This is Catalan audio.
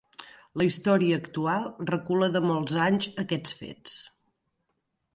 La història actual recula de molts anys aquests fets.